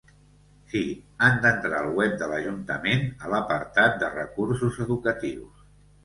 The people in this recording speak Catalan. Sí, han d'entrar al web de l'ajuntament, a l'apartat de recursos educatius.